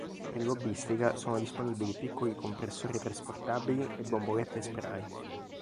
Per l'hobbystica sono disponibili piccoli compressori trasportabili e bombolette spray.